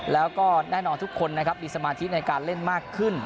แล้วก็แน่นอนทุกคนนะครับมีสมาธิในการเล่นมากขึ้น